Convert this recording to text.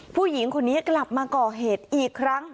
ผู้หญิงคนนี้กลับมาก่อเหตุอีกครั้ง